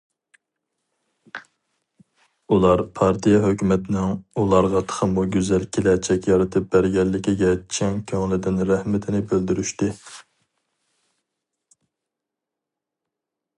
ئۇلار پارتىيە، ھۆكۈمەتنىڭ ئۇلارغا تېخىمۇ گۈزەل كېلەچەك يارىتىپ بەرگەنلىكىگە چىن كۆڭلىدىن رەھمىتىنى بىلدۈرۈشتى.